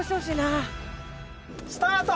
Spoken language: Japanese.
スタート！